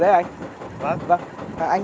dạ em mời anh